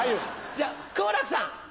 じゃあ好楽さん。